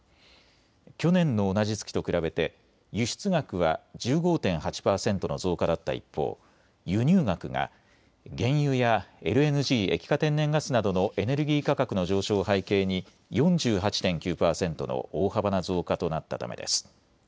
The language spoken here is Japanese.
去年の同じ月と比べて輸出額は１５．８％の増加だった一方、輸入額が原油やＬＮＧ・液化天然ガスなどのエネルギー価格の上昇を背景に４８．９％の大幅な増加となったためです。